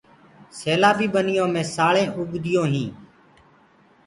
سيلآ بي ٻنيو مي سآݪينٚ اُگديونٚ هين۔